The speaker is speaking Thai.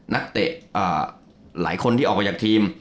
นักเตะหลายคนที่ออกมาจากทีม